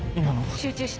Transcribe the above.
集中して。